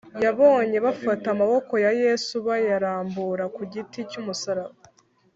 yabonye bafata amaboko ya yesu bayarambura ku giti cy’umusaraba;